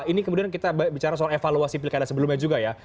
ini kemudian kita bicara soal evaluasi pilkada sebelumnya juga ya